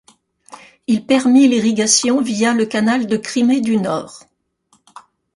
Il permit l'irrigation via le canal de Crimée du Nord.